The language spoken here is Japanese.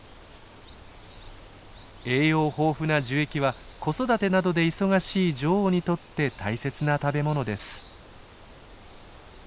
栄養豊富な樹液は子育てなどで忙しい女王にとって大切な食べ物です。